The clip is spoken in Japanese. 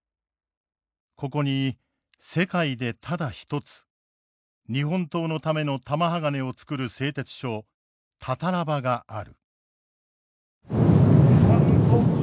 ここに世界でただ一つ日本刀のための玉鋼をつくる製鉄所たたら場がある。